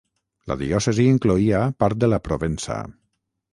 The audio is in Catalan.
La diòcesi incloïa part de la Provença.